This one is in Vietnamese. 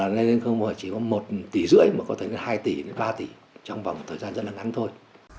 nên không phải chỉ có một tỷ rưỡi mà có thể đến hai tỷ ba tỷ trong vòng thời gian rất là ngắn thôi